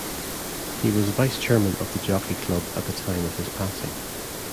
He was vice-Chairman of The Jockey Club at the time of his passing.